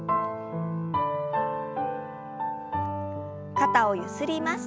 肩をゆすります。